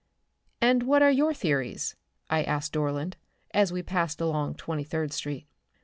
"And what are your theories?" I asked Dorland, as we passed along Twenty third street.